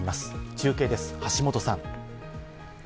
中継です、橋本さん。